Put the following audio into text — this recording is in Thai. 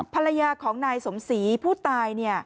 ภรรยาของนายสมศรีผู้ตาย